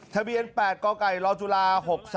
ทะเบียน๘กกรจุฬา